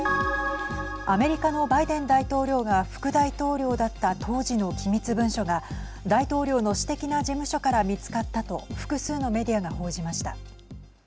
アメリカのバイデン大統領が副大統領だった当時の機密文書が大統領の私的な事務所から見つかったと複数のメディアが報じました。